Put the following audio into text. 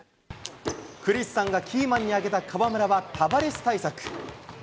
クリスさんがキーマンに挙げた河村はタバレス対策。